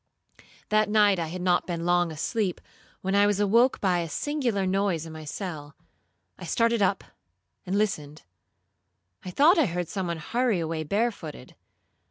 That night, I had not been long asleep, when I was awoke by a singular noise in my cell: I started up, and listened. I thought I heard some one hurry away barefooted.